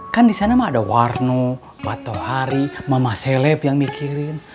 kan disana mah ada warno mato hari mama seleb yang mikirin